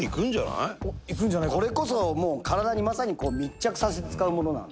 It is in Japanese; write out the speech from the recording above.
「これこそもう体にまさにこう密着させて使うものなので」